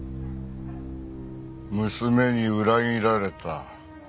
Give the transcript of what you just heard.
娘に裏切られた。